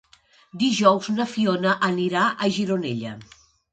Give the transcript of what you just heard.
Dijous na Fiona anirà a Gironella.